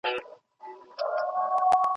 غرڅه ډوب وو د ښکرونو په ستایلو